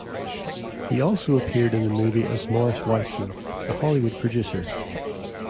He also appeared in the movie as Morris Weissman, a Hollywood producer.